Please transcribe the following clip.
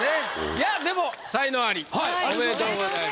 いやでも才能アリおめでとうございます。